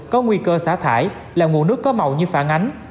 có nguy cơ xả thải là nguồn nước có màu như phản ánh